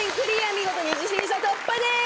見事二次審査突破です！